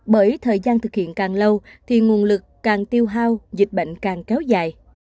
bởi thời gian thực hiện càng lâu thì nguồn lực càng tiêu hao dịch bệnh càng kéo dài